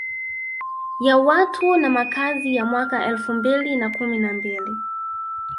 Ya watu na makazi ya mwaka elfu mbili na kumi na mbili